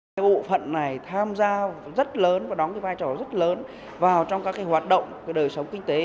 bộ phận này tham gia rất lớn và đóng vai trò rất lớn vào trong các hoạt động đời sống kinh tế